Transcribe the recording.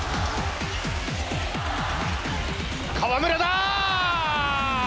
河村だ！